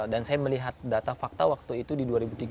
dan saya melihat data fakta waktu itu di dua ribu tiga belas